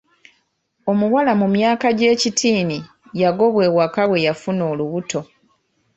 Omuwala mu myaka gy'ekitiini yagobwa ewaka bwe yafuna olubuto.